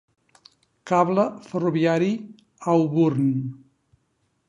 Cable Ferroviari Auburn.